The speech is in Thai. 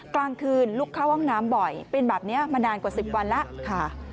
กลางคืนลุกเข้าห้องน้ำบ่อยเป็นแบบนี้มานานกว่า๑๐วันแล้วค่ะ